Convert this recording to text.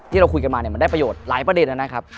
ที่เราคุยกันมาเนี่ยมันได้ประโยชน์หลายประเด็นนะครับ